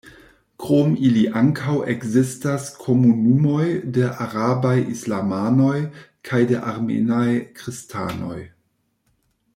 Krom ili ankaŭ ekzistas komunumoj de arabaj islamanoj kaj de armenaj kristanoj.